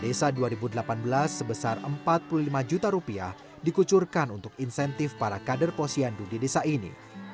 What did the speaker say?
desa dua ribu delapan belas sebesar empat puluh lima juta rupiah dikucurkan untuk insentif para kader posyandu di desa ini